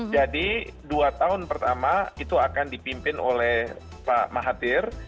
jadi dua tahun pertama itu akan dipimpin oleh pak mahathir